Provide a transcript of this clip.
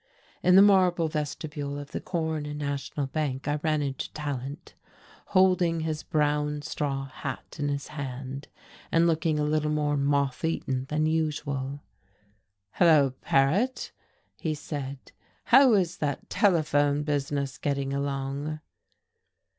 In the marble vestibule of the Corn National Bank I ran into Tallant, holding his brown straw hat in his hand and looking a little more moth eaten than usual. "Hello, Paret," he said "how is that telephone business getting along?"